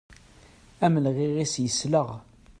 Amelɣiɣ-is yesleɣ.